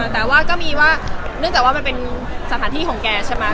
แต่ว่าก็มีว่าเนื่องจากว่ามันเป็นสถานที่ของแกใช่ไหม